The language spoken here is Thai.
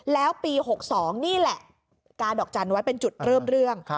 แล้วปี๖๒นี่แหละกาดอกจันทร์ไว้เป็นจุดเริ่มเรื่อง